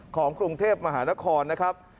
ของกรุงเทพมหานครนะครับ